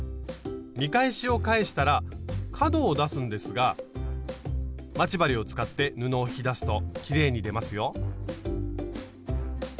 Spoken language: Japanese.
見返しを返したら角を出すんですが待ち針を使って布を引き出すときれいに出ますよ！